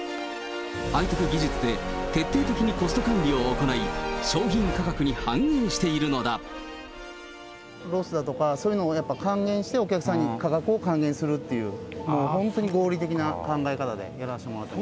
ハイテク技術で徹底的にコスト管理を行い、商品価格に反映していロスだとか、そういうのを還元して、お客さんに価格を還元するっていう、本当に合理的な考え方でやらせてもらってます。